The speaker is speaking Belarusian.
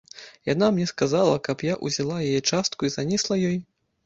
Яна мне сказала, каб я ўзяла яе частку і занесла ёй.